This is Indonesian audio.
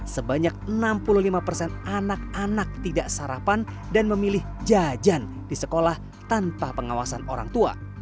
sebanyak enam puluh lima persen anak anak tidak sarapan dan memilih jajan di sekolah tanpa pengawasan orang tua